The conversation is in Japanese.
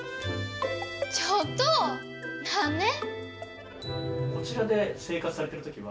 ちょっと何ね？